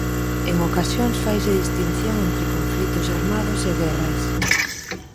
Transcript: En ocasións faise distinción entre conflitos armados e guerras.